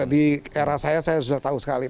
di era saya saya sudah tahu sekali